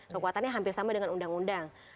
kekuatannya hampir sama dengan undang undang